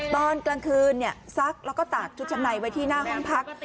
ตอนกลางคืนซักแล้วก็ตากชุดชั้นในไว้ที่หน้าห้องพัก